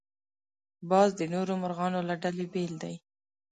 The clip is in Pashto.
باز د نورو مرغانو له ډلې بېل دی